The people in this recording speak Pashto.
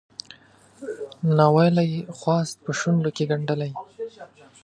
ناویلی خواست په شونډوکې ګنډلی